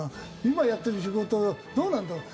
今やってる仕事どうなんだろう？